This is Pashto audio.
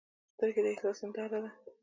سترګې د احساس هنداره ده